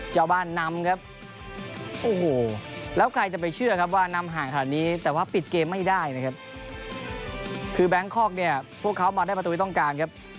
ชาวบ้านนำครับโอ้โหแล้วใครจะไปเชื่อครับว่านำห่างขนาดนี้แต่ว่าปิดเกมไม่ได้นะครับคือแบงคอกเนี่ยพวกเขามาได้ประตูที่ต้องการครับ